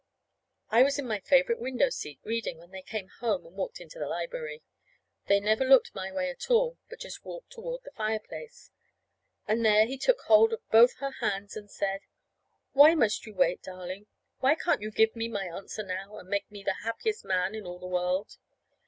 I was in my favorite window seat, reading, when they came home and walked into the library. They never looked my way at all, but just walked toward the fireplace. And there he took hold of both her hands and said: "Why must you wait, darling? Why can't you give me my answer now, and make me the happiest man in all the world?"